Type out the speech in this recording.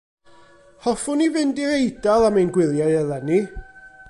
Hoffwn i fynd i'r Eidal am ein gwyliau eleni.